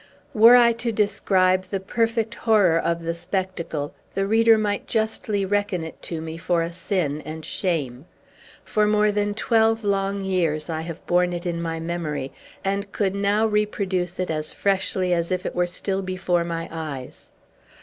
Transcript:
Were I to describe the perfect horror of the spectacle, the reader might justly reckon it to me for a sin and shame. For more than twelve long years I have borne it in my memory, and could now reproduce it as freshly as if it were still before my eyes.